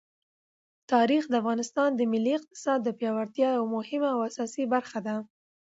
تاریخ د افغانستان د ملي اقتصاد د پیاوړتیا یوه مهمه او اساسي برخه ده.